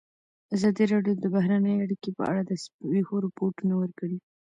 ازادي راډیو د بهرنۍ اړیکې په اړه د پېښو رپوټونه ورکړي.